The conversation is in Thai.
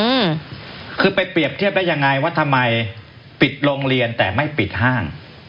อืมคือไปเปรียบเทียบได้ยังไงว่าทำไมปิดโรงเรียนแต่ไม่ปิดห้าง